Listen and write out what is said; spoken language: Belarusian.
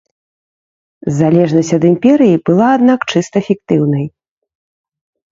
Залежнасць ад імперыі была, аднак, чыста фіктыўнай.